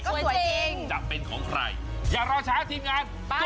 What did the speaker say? ก็สวยจริงจะเป็นของใครอย่ารอช้าทีมงานไปล่อย